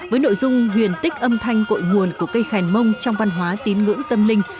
với nội dung huyền tích âm thanh cội nguồn của cây khen mông trong văn hóa tín ngưỡng tâm linh